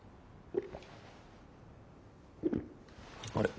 あれ？